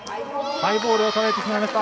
ハイボールをとられてしまいました。